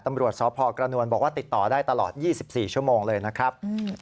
ตำรวจสพกันวนบอกว่าติดต่อได้ตลอดยี่สิบสี่ชั่วโมงเลยนะครับ